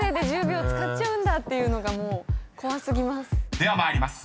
［では参ります。